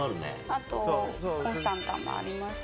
あと、コンスタンタンもあります。